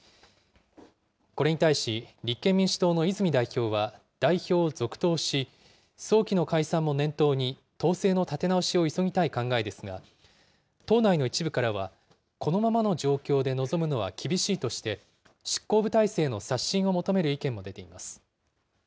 これに対し立憲民主党の泉代表は、代表を続投し、早期の解散も念頭に、党勢の立て直しを急ぎたい考えですが、党内の一部からは、このままの状況で臨むのは厳しいとして、執行部体制の刷新を求める意見も出ています。